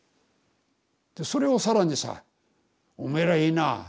でそれを更にさ「おめえらいいな。